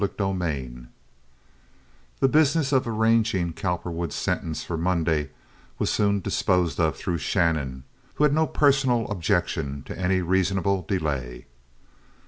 Chapter XLIX The business of arranging Cowperwood's sentence for Monday was soon disposed of through Shannon, who had no personal objection to any reasonable delay.